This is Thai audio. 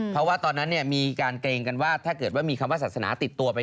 เพราะว่าตอนนั้นมีการเกรงกันว่าถ้าเกิดว่ามีคำว่าศาสนาติดตัวไป